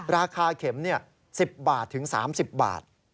ราคาเข็ม๑๐บาทถึง๓๐บาท